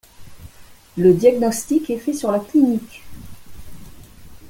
Le diagnostic est fait sur la clinique.